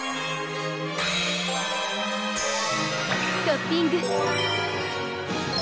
トッピング！